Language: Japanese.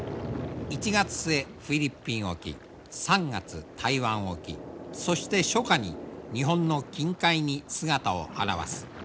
１月末フィリピン沖３月台湾沖そして初夏に日本の近海に姿を現す。